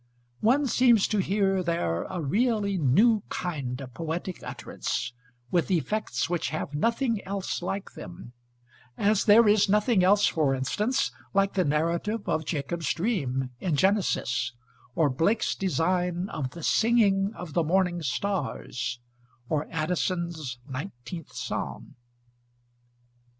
One seems to hear there a really new kind of poetic utterance, with effects which have nothing else like them; as there is nothing else, for instance, like the narrative of Jacob's Dream in Genesis, or Blake's design of the Singing of the Morning Stars, or Addison's Nineteenth Psalm.